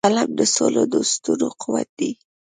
قلم د سولهدوستو قوت دی